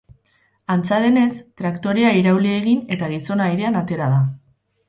Antza denez, traktorea irauli egin eta gizona airean atera da.